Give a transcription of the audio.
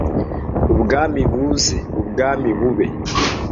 Ubwami buze, Ubwami bube